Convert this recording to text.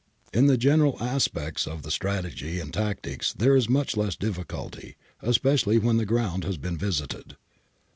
In the general aspects of the strategy and tactics there is much less difficulty, especially when the ground has been visited.